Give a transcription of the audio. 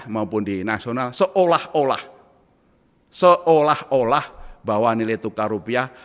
maupun di nasional seolah olah bahwa nilai tukar rupiah